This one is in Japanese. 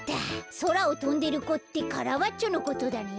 そらをとんでる子ってカラバッチョのことだね。